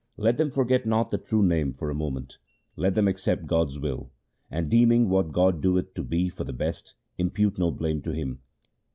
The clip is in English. Let them forget not the true Name for a moment. Let them accept God's will, and, deeming what God doeth to be for the best, impute no blame to Him.